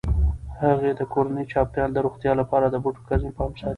هغې د کورني چاپیریال د روغتیا لپاره د بوټو کرنې پام ساتي.